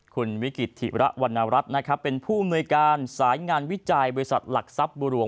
คุณวิกฤตถีระวรรณรัฐเป็นผู้ในการสายงานวิจัยบริษัทหลักทรัพย์บุหรวง